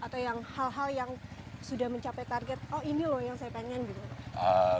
atau yang hal hal yang sudah mencapai target oh ini loh yang saya pengen gitu